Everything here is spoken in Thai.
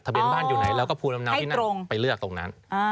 เบียนบ้านอยู่ไหนแล้วก็ภูมิลำเนาที่นั่นไปเลือกตรงนั้น